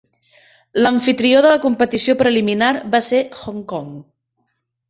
L'amfitrió de la competició preliminar va ser Hong Kong.